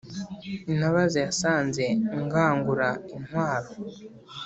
Intabaza yasanze ngangura intwaro